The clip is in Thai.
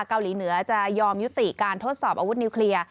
เกาหลีเหนือจะยอมยุติการทดสอบอาวุธนิวเคลียร์